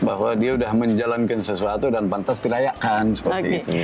bahwa dia sudah menjalankan sesuatu dan pantas dirayakan seperti itu